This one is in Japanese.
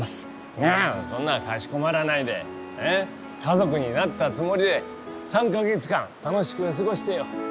いやそんなかしこまらないで家族になったつもりで３か月間楽しく過ごしてよ。